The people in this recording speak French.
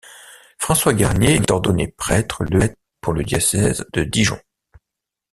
François Garnier est ordonné prêtre le pour le diocèse de Dijon.